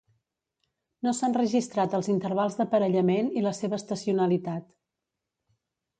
No s'han registrat els intervals d'aparellament i la seva estacionalitat.